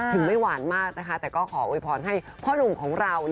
ไม่หวานมากนะคะแต่ก็ขอโวยพรให้พ่อหนุ่มของเรา